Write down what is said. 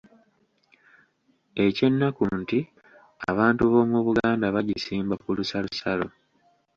Ekyennaku nti abantu b’omu Buganda bagisimba ku lusalosalo.